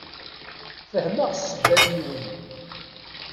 Fehmeɣ ssebbat-nwen.